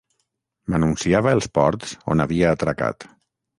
M'anunciava els ports on havia atracat.